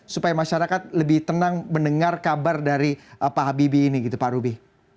supaya masyarakat lebih tenang mendengar kabar dari pak habibie ini gitu pak rubi